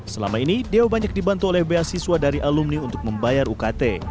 selama ini deo banyak dibantu oleh beasiswa dari alumni untuk membayar ukt